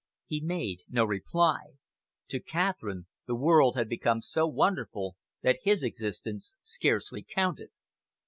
He made no reply. To Catherine the world had become so wonderful that his existence scarcely counted.